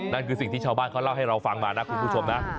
นั่นคือสิ่งที่ชาวบ้านเขาเล่าให้เราฟังมานะคุณผู้ชมนะ